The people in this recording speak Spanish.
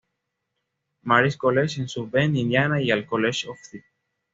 Mary’s College en South Bend, Indiana y al College of St.